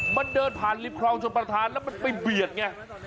มันเดินผ่านลิฟท์คลองชอบประทานแล้วมันไปเบียกนี่